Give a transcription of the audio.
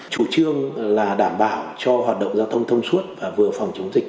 chủ trương là đảm bảo cho hoạt động giao thông thông suốt và vừa phòng chống dịch